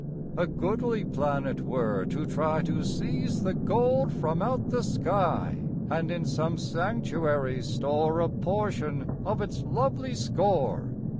A goodly plan it were to try To seize the gold from out the sky And in some sanctuary store A portion of its lovely score.